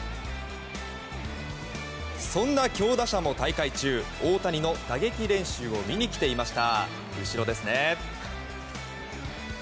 そんな強打者も大会中、大谷の打撃練習を見に来ていました。